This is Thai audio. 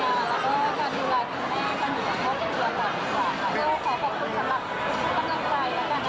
ไม่ว่าในอนาคตเขาจะเป็นยังไงแต่ว่าเวียอยากรู้เนียมกันเลยว่า